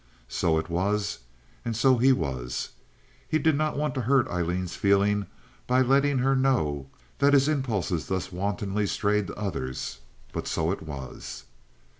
So it was and so he was. He did not want to hurt Aileen's feelings by letting her know that his impulses thus wantonly strayed to others, but so it was.